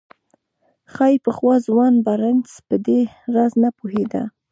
ښايي پخوا ځوان بارنس په دې راز نه پوهېده.